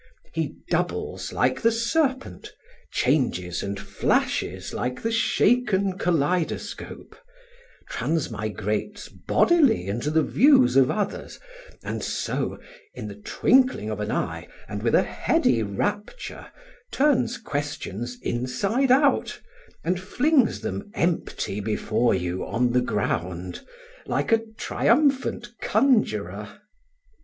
He doubles like the serpent, changes and flashes like the shaken kaleidoscope, transmigrates bodily into the views of others, and so, in the twinkling of an eye and with a heady rapture, turns questions inside out and flings them empty before you on the ground, like a triumphant conjuror.